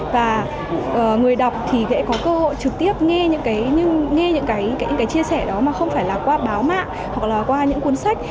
và người đọc thì sẽ có cơ hội trực tiếp nghe những cái chia sẻ đó mà không phải là qua báo mạng hoặc là qua những cuốn sách